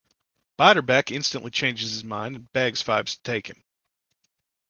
Biederbeck instantly changes his mind and begs Phibes to take him.